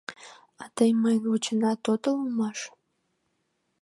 А тый мыйым вученат отыл улмаш..